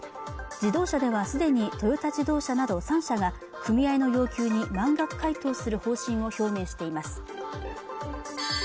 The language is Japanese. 自動車ではすでにトヨタ自動車など３社が組合の要求に満額回答する方針を表明しています